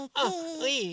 いい？